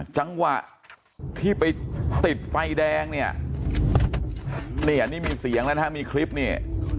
จังหวะที่ไปติดไฟแดงเนี่ยนี่อันนี้มีเสียงแล้วนะฮะมีคลิปเนี่ย